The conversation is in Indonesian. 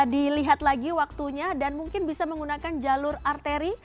dilihat lagi waktunya dan mungkin bisa menggunakan jalur arteri